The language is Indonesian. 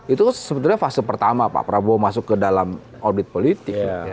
itu sebenarnya fase pertama pak prabowo masuk ke dalam obit politik